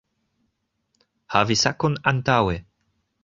Havi sakon antaŭe